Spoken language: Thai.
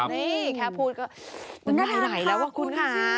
นี่แค่พูดก็น่ารักค่ะคุณค่ะ